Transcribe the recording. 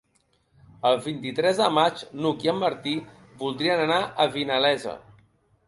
El vint-i-tres de maig n'Hug i en Martí voldrien anar a Vinalesa.